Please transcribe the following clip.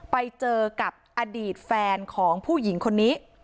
ไปเจอกับอดีตแฟนของผู้หญิงคนนี้